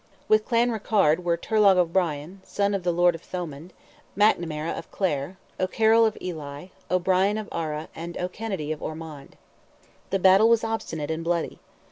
With Clanrickarde were Turlogh O'Brien, son of the Lord of Thomond, McNamara of Clare, O'Carroll of Ely, O'Brien of Ara, and O'Kennedy of Ormond. The battle was obstinate and bloody.